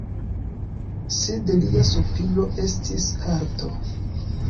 Sed lia sopiro estis arto.